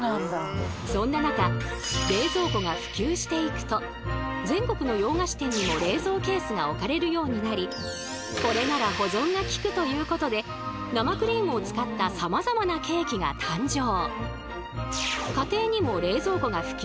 そんな中全国の洋菓子店にも冷蔵ケースが置かれるようになりこれなら保存がきくということで生クリームを使ったさまざまなケーキが誕生。